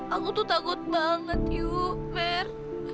aku tuh takut banget yuk mer